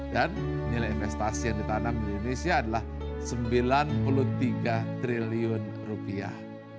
dan nilai investasi yang ditanam di indonesia adalah sembilan puluh tiga triliun rupiah